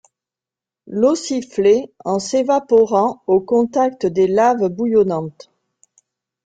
L’eau sifflait en s’évaporant au contact des laves bouillonnantes.